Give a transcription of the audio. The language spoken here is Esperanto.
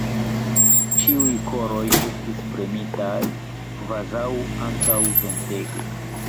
Ĉiuj koroj estis premitaj kvazaŭ antaŭ ventego.